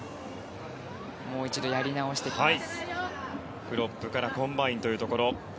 もう一度やり直してきます。